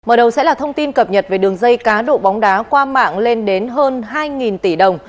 mở đầu sẽ là thông tin cập nhật về đường dây cá độ bóng đá qua mạng lên đến hơn hai tỷ đồng